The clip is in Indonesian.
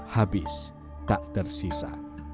habis tak tersisa